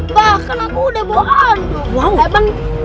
bahkan aku udah bawa andu